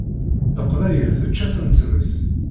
Leqbayel tečča-ten tmes.